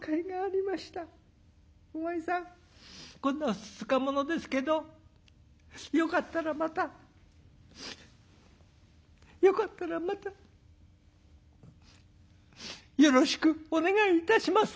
お前さんこんなふつつか者ですけどよかったらまたよかったらまたよろしくお願いいたします」。